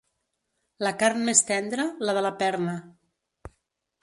La carn més tendra, la de la perna.